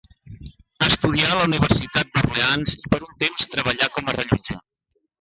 Estudià a la Universitat d'Orleans i per un temps treballà com a rellotger.